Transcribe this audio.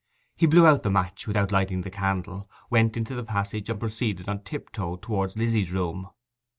He blew out the match without lighting the candle, went into the passage, and proceeded on tiptoe towards Lizzy's room.